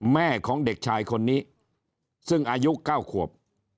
แม่ของเด็กชายคนนี้ซึ่งอายุ๙ขวบ